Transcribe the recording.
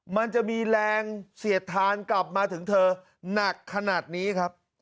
มันจะมีแรงเสียดทานกลับมาถึงเธอหนักขนาดนี้ครับ